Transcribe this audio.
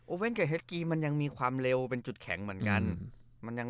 เว่นกับเฮสกีมันยังมีความเร็วเป็นจุดแข็งเหมือนกัน